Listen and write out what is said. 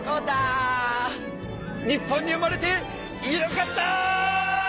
日本に生まれてよかった！